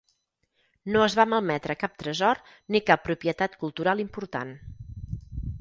No es va malmetre cap tresor ni cap propietat cultural important.